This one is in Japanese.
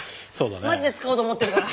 まじで使おうと思ってるから。